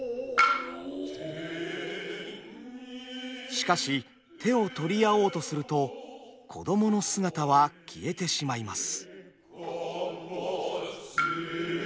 しかし手を取り合おうとすると子どもの姿は消えてしまいます。